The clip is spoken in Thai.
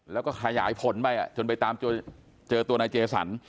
แล้วก็ขยายผลไปจนไปตามเจอตัวนายเจสัน